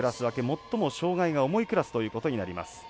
最も障がいが重いクラスということになります。